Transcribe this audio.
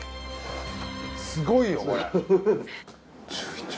すごいよこれ。